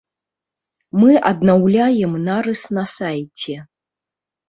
Мы аднаўляем нарыс на сайце.